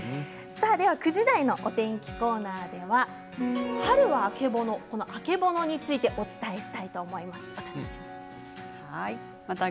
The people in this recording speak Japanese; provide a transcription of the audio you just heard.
９時台のお天気コーナーでは春はあけぼの、曙についてお伝えしたいと思います。